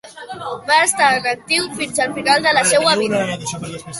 Va estar en actiu fins al final de la seua vida.